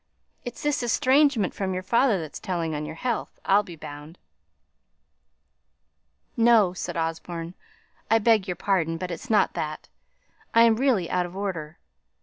It's this estrangement from your father that's telling on your health, I'll be bound." "No," said Osborne, "I beg your pardon; but it's not that; I am really out of order.